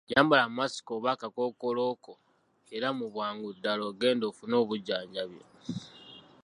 Yambala masiki oba akakookolo ko era mu bwangu ddala genda ofune obujjanjabi.